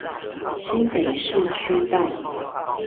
新北市區道